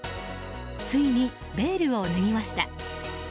ついにベールを脱ぎました。